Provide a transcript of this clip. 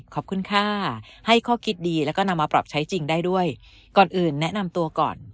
ขอบคุณค่ะให้ข้อคิดดีแล้วก็นำมาปรับใช้จริงได้ด้วยก่อนอื่นแนะนำตัวก่อน